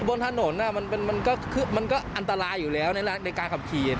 บนถนนมันก็อันตรายอยู่แล้วในการขับขี่